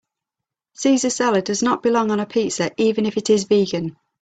Caesar salad does not belong on a pizza even if it is vegan.